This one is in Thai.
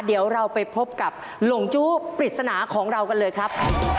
เดี๋ยวเราไปพบกับหลงจู้ปริศนาของเรากันเลยครับ